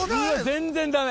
全然ダメ